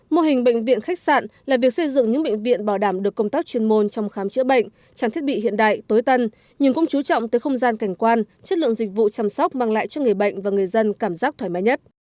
mô hình bệnh viện khách sạn là việc xây dựng những bệnh viện bảo đảm được công tác chuyên môn trong khám chữa bệnh trang thiết bị hiện đại tối tân nhưng cũng chú trọng tới không gian cảnh quan chất lượng dịch vụ chăm sóc mang lại cho người bệnh và người dân cảm giác thoải mái nhất